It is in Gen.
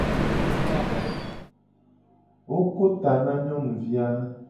Wo ko ta na nyonuvi a.